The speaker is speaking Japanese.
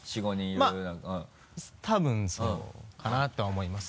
まぁ多分そうかなとは思います。